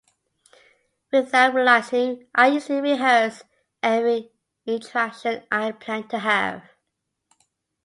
Without realizing, I usually rehearse every interaction I plan to have.